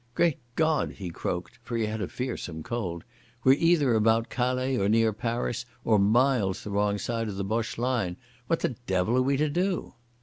"Great God!" he croaked—for he had a fearsome cold—"we're either about Calais or near Paris or miles the wrong side of the Boche line. What the devil are we to do?"